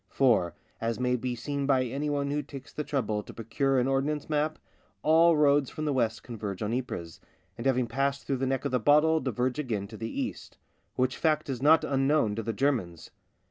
For, as may be seen by anyone who takes the trouble to procure an ordnance map, all roads from the west converge on Ypres, and having passed through the neck of the bottle diverge again to the east ; which fact is not unknown to the Germans.